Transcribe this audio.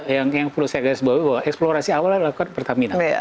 yang perlu saya kasih tahu eksplorasi awalnya dilakukan pertamina